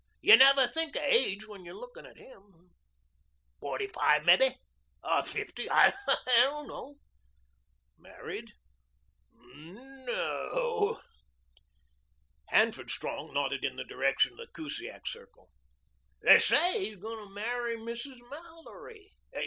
You never think of age when you're looking at him. Forty five, mebbe or fifty I don't know." "Married?" "No o." Hanford Strong nodded in the direction of the Kusiak circle. "They say he's going to marry Mrs. Mallory.